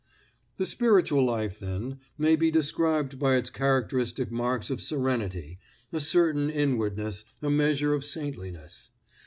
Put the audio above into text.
The spiritual life, then, may be described by its characteristic marks of serenity, a certain inwardness, a measure of saintliness.